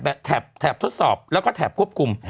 แถบทดสอบแล้วก็แถบควบคุม